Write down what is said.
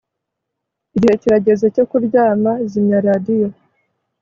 Igihe kirageze cyo kuryama Zimya radiyo